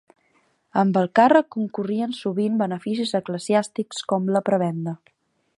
Amb el càrrec concorrien sovint beneficis eclesiàstics com la prebenda.